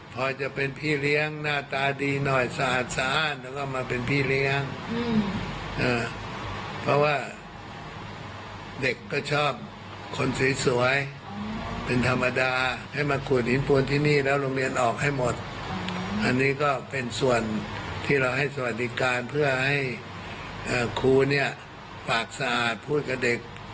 ส่วนที่เราให้สวัสดิการเพื่อให้ครูปากสะอาดพูดกับเด็ก